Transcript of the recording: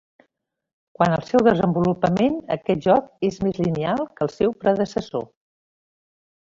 Quant al seu desenvolupament, aquest joc és més lineal que el seu predecessor.